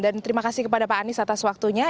dan terima kasih kepada pak anies atas waktunya